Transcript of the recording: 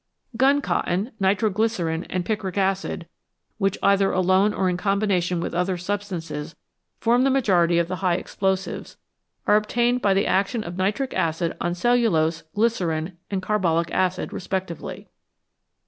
Gun cotton, nitro glycerine, and picric acid, which either alone or in combination with other substances form the majority of the high explosives, are obtained by the action of nitric acid on cellulose, glycerine, and carbolic acid respectively.